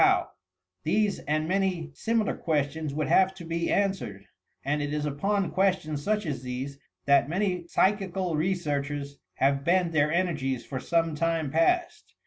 howt These, and many similar questions, would have to be answered, and it is upon questions such as these that many psychical researchers have bent their energies for some time past.